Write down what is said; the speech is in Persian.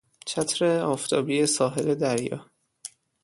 چتر آفتابی ساحل دریا